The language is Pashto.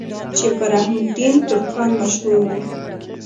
چې پۀ رحم الدين ترکاڼ مشهور وو